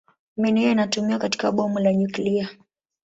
Mbinu hiyo inatumiwa katika bomu la nyuklia.